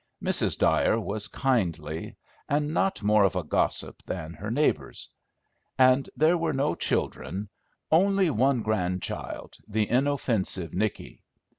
Mrs. Dyer was kindly, and not more of a gossip than her neighbors; and there were no children, only one grandchild, the inoffensive Nicky.